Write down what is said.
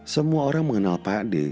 semua orang mengenal pakde